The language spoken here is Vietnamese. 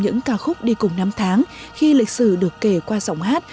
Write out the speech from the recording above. những ca khúc đi cùng năm tháng khi lịch sử được kể qua giọng hát